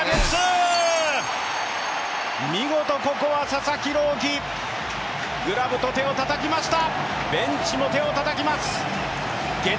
見事ここは佐々木朗希、グラブと手をたたきました。